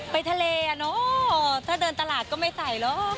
ไปทะเลอ่ะเนอะถ้าเดินตลาดก็ไม่ใส่หรอก